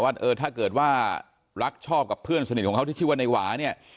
ว่าเออถ้าเกิดว่ารักชอบกับเพื่อนสนิทของเขาที่ชื่อว่าในหวาเนี่ย